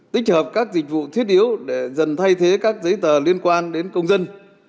tích hợp các dịch vụ thiết yếu để dần thay thế các giấy tờ liên quan đến công dân